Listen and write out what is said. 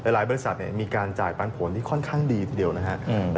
หลายบริษัทมีการจ่ายปันผลที่ค่อนข้างดีทีเดียวนะครับ